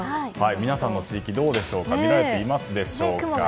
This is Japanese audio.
皆さんの地域見られていますでしょうか。